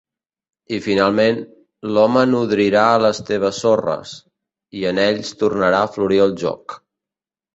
I, finalment, l'home nodrirà les teves sorres, i en ells tornarà a florir el joc.